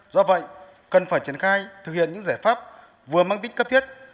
do vậy cần phải triển khai thực hiện những giải pháp vừa mang tính cấp thiết